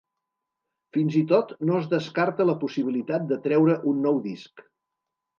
Fins i tot no es descarta la possibilitat de treure un nou disc.